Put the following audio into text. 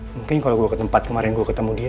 mungkin kalo gue ke tempat kemarin ketemu dia